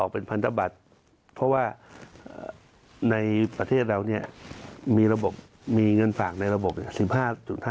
เพราะว่าในประเทศเราเนี่ยมีเงินฝากในระบบ๑๕๕ล้าน